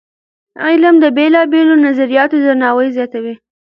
علم د بېلابېلو نظریاتو درناوی زیاتوي.